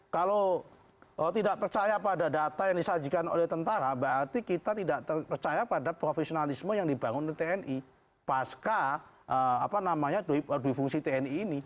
kalau tidak percaya pada data yang disajikan oleh tentara berarti kita tidak terpercaya pada profesionalisme yang dibangun oleh tni pasca apa namanya duit fungsi tni ini